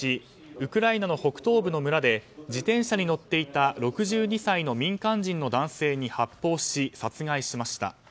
ウクライナの北東部の村で自転車に乗っていた６２歳の民間人の男性に発砲し殺害しました。